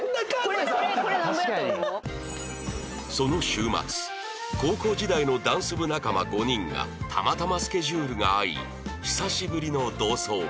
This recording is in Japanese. その週末高校時代のダンス部仲間５人がたまたまスケジュールが合い久しぶりの同窓会